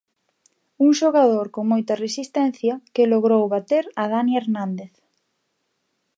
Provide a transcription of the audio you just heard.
Un xogador con moita resistencia que logrou bater a Dani Hernández.